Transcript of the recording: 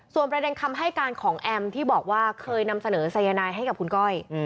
ส่วนประเด็นคำให้การของแอมที่บอกว่าเคยนำเสนอสายนายให้กับคุณก้อย